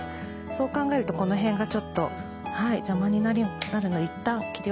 そう考えるとこの辺がちょっと邪魔になるのでいったん切り落とします。